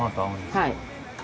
はい。